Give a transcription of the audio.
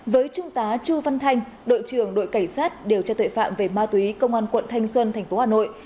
với trung tá chu văn thanh đội trưởng đội cảnh sát điều tra tuệ phạm về ma túy công an quận thanh xuân tp hà nội